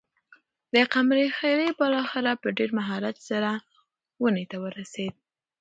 د قمرۍ خلی بالاخره په ډېر مهارت سره ونې ته ورسېد.